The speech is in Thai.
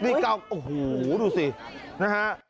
นี่ก็โอ้โหดูสินะฮะ